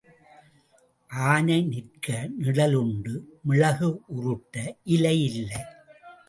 ஆனை நிற்க நிழல் உண்டு மிளகு உருட்ட இலை இல்லை.